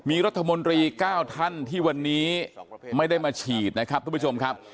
มีรัฐมนตรี๙ท่านที่วันนี้ไม่ได้มาฉีดนะครับทุกผู้ชมครับ